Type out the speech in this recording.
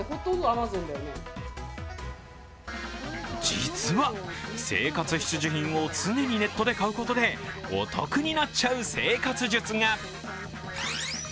実は、生活必需品を常にネットで買うことでお得になっちゃう生活術が。